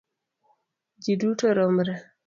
Ji duto romre.